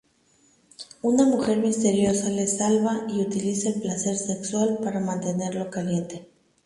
Una mujer misteriosa le salva y utiliza el placer sexual para mantenerlo caliente.